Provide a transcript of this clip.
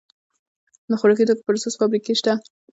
د خوراکي توکو پروسس فابریکې شته